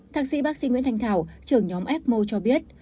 thạc sĩ bác sĩ nguyễn thanh thảo trưởng nhóm ecmo cho biết